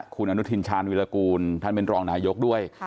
คุณอนุทินชาญวิรากูลท่านเป็นรองนายกด้วย